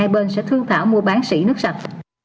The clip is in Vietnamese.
và thương thảo mua bán sỉ nước sạch